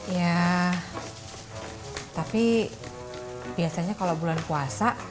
ya tapi biasanya kalau bulan puasa